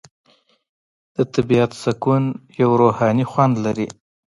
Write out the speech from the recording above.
د طبیعت سکون یو روحاني خوند لري.